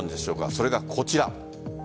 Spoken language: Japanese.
それがこちら。